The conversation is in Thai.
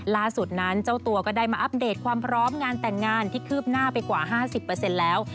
ล่าสุดนั้นเจ้าตัวก็ได้มาอัปเดตความพร้อมงานแต่งงานที่คืบหน้าไปกว่า๕๐แล้ว